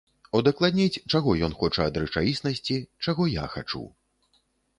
Удакладніць, чаго ён хоча ад рэчаіснасці, чаго я хачу.